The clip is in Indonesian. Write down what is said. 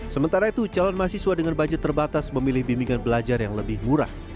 sementara itu calon mahasiswa dengan budget terbatas memilih bimbingan belajar yang lebih murah